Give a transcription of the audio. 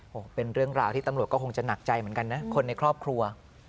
โอ้โหเป็นเรื่องราวที่ตำรวจก็คงจะหนักใจเหมือนกันนะคนในครอบครัว